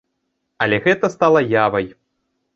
Але гэта стала явай!